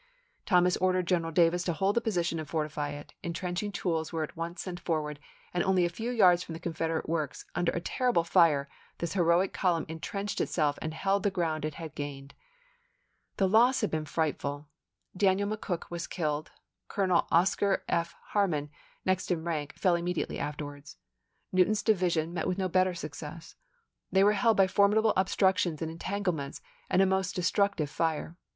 Thomas ordered General Davis to hold the position and fortify it ; intrenching tools were at once sent forward, and only a few yards from the Confederate works, under a terrible fire, this heroic column intrenched itself and held the ground it had gained. The loss had been frightful. Daniel Mc Cook was killed, Colonel Oscar F. Harmon, next in rank, fell immediately afterwards. Newton's divi sion met with no better success. They were held by formidable obstructions and entanglements and a most destructive fire.